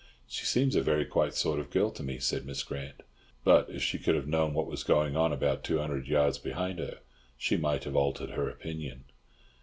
"She seems a very quiet sort of girl to me," said Miss Grant. But if she could have known what was going on about two hundred yards behind her, she might have altered her opinion.